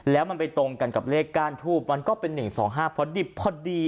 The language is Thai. แล้วมันไปตรงกันกับเลขก้านทูบมันก็เป็น๑๒๕พอดิบพอดี